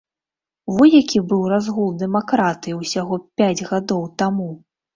Во які быў разгул дэмакратыі ўсяго пяць гадоў таму!